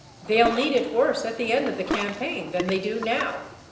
. They'll need it worse at the end of the campaign than they do now."